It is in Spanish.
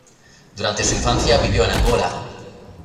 Durante su infancia vivió en Angola.